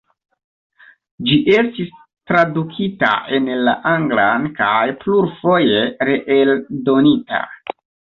Ĝi estis tradukita en la anglan kaj plurfoje reeldonita.